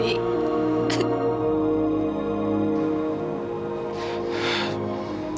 tante tanti sama anda